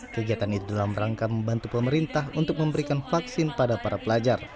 kegiatan itu dalam rangka membantu pemerintah untuk memberikan vaksin pada para pelajar